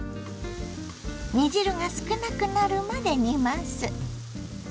煮汁が少なくなるまで煮ます。